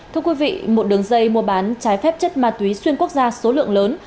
thưa quý vị một đường dây mua bán trái phép chất ma túy xuyên quốc gia số lượng lớn